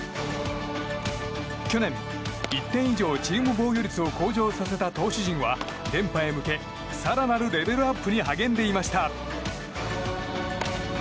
去年、１点以上チーム防御率を向上させた投手陣は連覇へ向け更なるレベルアップに励んでいました。